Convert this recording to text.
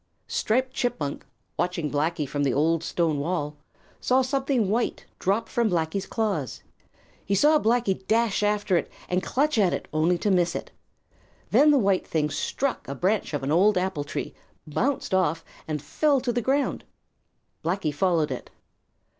Striped Chipmunk, watching Blacky from the old stone wall, saw something white drop from Blacky's claws. He saw Blacky dash after it and clutch at it only to miss it. Then the white thing struck a branch of an old apple tree, bounced off and fell to the ground. Blacky followed it.